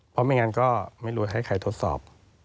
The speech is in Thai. เพราะไม่งั้นก็ไม่รู้ให้ใครทดสอบ